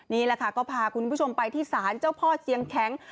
นี่แหละค่ะก็พาคุณผู้ชมไปที่ศาลเจ้าพ่อเชียงแข็ง